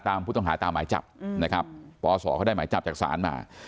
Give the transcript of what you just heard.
ผู้ต้องหาตามหมายจับนะครับปศเขาได้หมายจับจากศาลมา